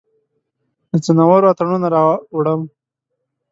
د څنورو اتڼوڼه راوړم